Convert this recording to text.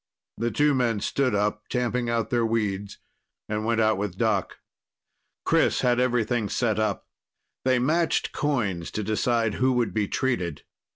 The two men stood up, tamping out their weeds, and went out with Doc. Chris had everything set up. They matched coins to decide who would be treated.